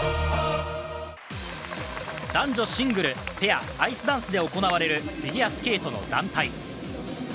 男女シングル、ペア、アイスダンスで行われるフィギュアスケートの団体。